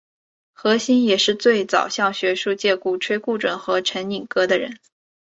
何新也是最早向学术界鼓吹顾准和陈寅恪的人。